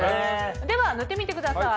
では塗ってみてください。